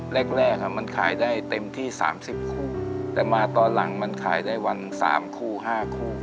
แรกแรกมันขายได้เต็มที่สามสิบคู่แต่มาตอนหลังมันขายได้วันสามคู่ห้าคู่